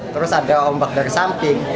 terus ada ombak dari samping